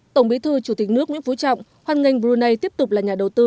tổng bí thư chủ tịch nước nguyễn phú trọng hoan nghênh brunei tiếp tục là nhà đầu tư